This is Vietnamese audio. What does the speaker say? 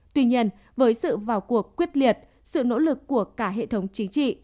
tuy nhiên với sự vào cuộc quyết liệt sự nỗ lực của cả hệ thống chính trị